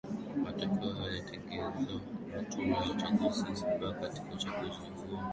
Matokeo yaliyotangazwa na Tume ya Uchaguzi Zanzibar katika uchaguzi huo